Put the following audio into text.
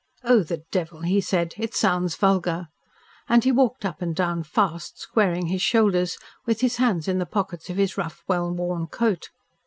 "Oh, the devil!" he said. "It sounds vulgar." And he walked up and down fast, squaring his shoulders, with his hands in the pockets of his rough, well worn coat.